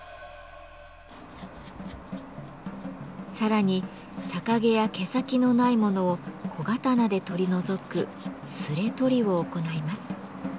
さらに逆毛や毛先のないものを小刀で取り除く「すれ取り」を行います。